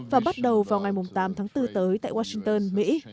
và bắt đầu vào ngày tám tháng bốn tới tại washington mỹ